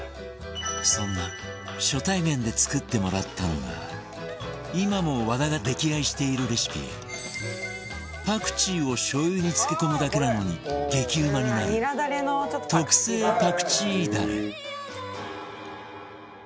そんな初対面で作ってもらったのが今も和田が溺愛しているレシピパクチーをしょう油に漬け込むだけなのに激うまになる特製パクチーだれ